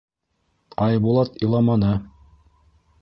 Айбулат иламаны.